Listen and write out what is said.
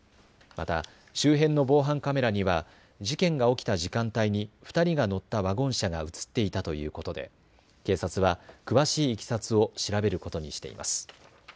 また周辺の防犯カメラには事件が起きた時間帯に２人が乗ったワゴン車が映っていたということで警察は詳しいいきさつを調べることにしています。